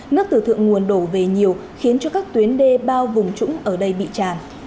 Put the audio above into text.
nước từ thượng nguồn đổ về nhiều khiến cho các tuyến đê bao vùng trũng ở đây bị tràn